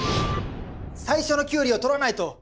最初のキュウリを取らないと！